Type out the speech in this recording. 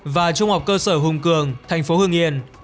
và trung học cơ sở hùng cường thành phố hương yên